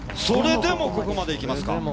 それでもここまで行きますか。